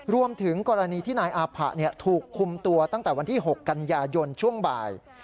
รวมถึงกรณีที่นายอาผะถูกคุมตัวตั้งแต่วันที่๖กันยายนช่วงบ่าย